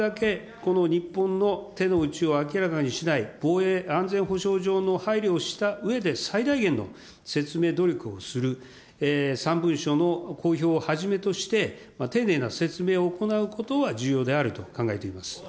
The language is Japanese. この日本の手の内を明らかにしない、防衛、安全保障上の配慮をしたうえで、最大限の説明努力をする、３文書の公表をはじめとして、丁寧な説明を行うことは重要であると考えています。